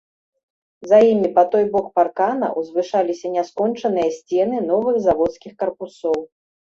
За імі, па той бок паркана, узвышаліся няскончаныя сцены новых заводскіх карпусоў.